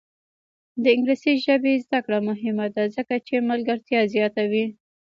د انګلیسي ژبې زده کړه مهمه ده ځکه چې ملګرتیا زیاتوي.